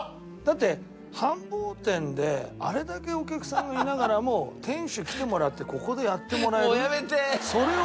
だって繁忙店であれだけお客さんがいながらも店主来てもらってここでやってもらえるっていう。